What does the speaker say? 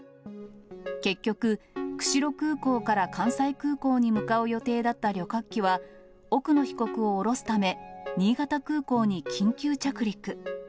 結局、釧路空港から関西空港に向かう予定だった旅客機は、奥野被告を降ろすため、新潟空港に緊急着陸。